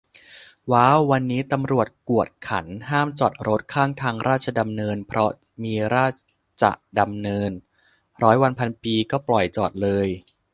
ว้าว วันนี้ตำรวจกวดขัน ห้ามจอดรถข้างทางราชดำเนิน เพราะมีราชจะดำเนิน ร้อยวันพันปีก็ปล่อยจอดเฉย